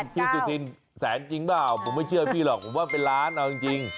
พี่สุธินแสนจริงเปล่าผมไม่เชื่อพี่หรอกผมว่าเป็นล้านเอาจริง